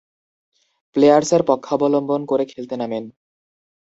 প্লেয়ার্সের পক্ষাবলম্বন করে খেলতে নামেন।